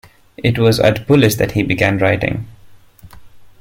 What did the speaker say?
It was at Bullis that he began writing.